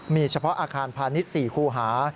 มีเฉพาะอาคารพาณิชย์๔คูหา